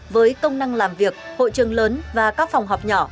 với công năng làm việc hội trường lớn và các phòng họp nhỏ